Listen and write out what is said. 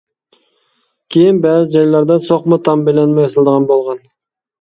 كېيىن بەزى جايلاردا سوقما تام بىلەنمۇ ياسىلىدىغان بولغان.